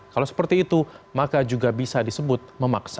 kalau seperti itu maka juga bisa disebut memaksa